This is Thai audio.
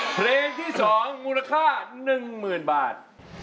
เพลงที่๒มูลค่า๑๐๐๐บาท